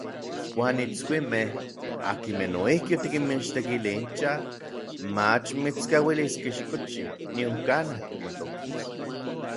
Uan itskuimej, akinmej noijki otikinmichtekili incha, mach mitskauiliskej xikochi nion kanaj timotokis.